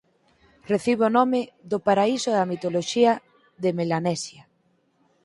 Recibe o nome do paraíso da mitoloxía de Melanesia.